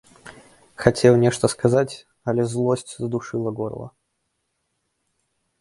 Хацеў нешта сказаць, але злосць здушыла горла.